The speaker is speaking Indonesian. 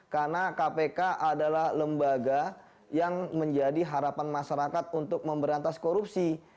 karena kpk adalah lembaga yang menjadi harapan masyarakat untuk memberantas korupsi